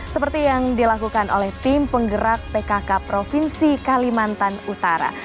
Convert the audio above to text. seperti yang dilakukan oleh tim penggerak pkk provinsi kalimantan utara